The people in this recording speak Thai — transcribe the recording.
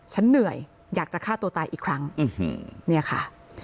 เหนื่อยอยากจะฆ่าตัวตายอีกครั้งเนี่ยค่ะ